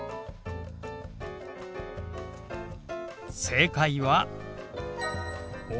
正解は。